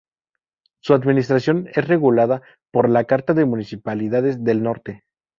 Su administración es regulada por "La carta de municipalidades del norte".